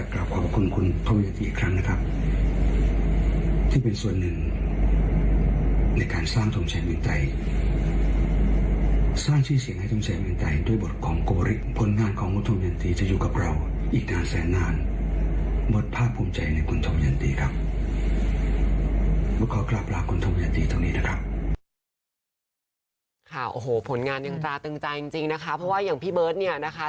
โอ้โหผลงานยังตราตึงใจจริงนะคะเพราะว่าอย่างพี่เบิร์ตเนี่ยนะคะ